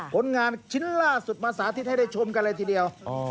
ผลงานชิ้นล่าสุดมาสาธิตให้ได้ชมกันเลยทีเดียว